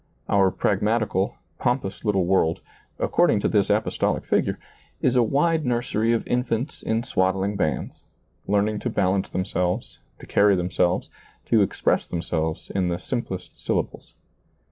Our pragmatical, pompous little world — according to this apostolic figure — is a wide nursery of in fants in swaddling bands, learning to balance themselves, to carry themselves, to express them selves in the simplest syllables.